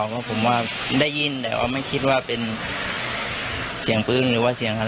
ก็ผมว่าได้ยินแต่ก็ไม่คิดว่าเป็นเสียงปืนหรือว่าเสียงอะไร